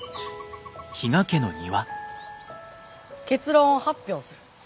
結論を発表する。